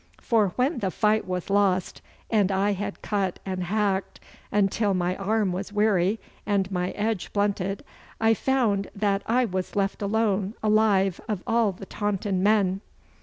For when the fight was lost, and I had cut and hacked until my arm was weary and my edge blunted, I found that I was left alone alive of all the Taunton men.